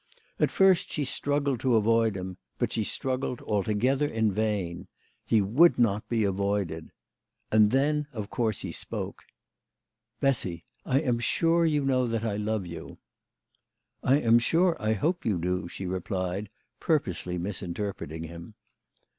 At first she struggled to avoid him, but she struggled altogether in vain. He would not be avoided. And then of course he spoke. " Bessy, I am sure you know that I love you." "I am sure I hope you do," she replied, purposely misinterpreting him.